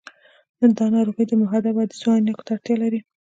دا ناروغي د محدبو عدسیو عینکو ته اړتیا لري.